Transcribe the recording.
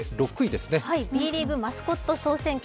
Ｂリーグマスコット総選挙